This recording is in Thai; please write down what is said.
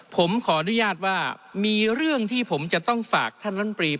ผมขออนุญาตว่ามีเรื่องที่ผมจะต้องฝากท่านลำปรี